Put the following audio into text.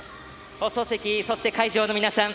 放送席、そして会場の皆さん。